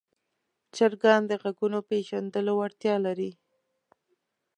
چرګان د غږونو پېژندلو وړتیا لري.